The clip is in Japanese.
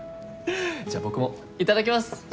じゃあ僕もいただきます！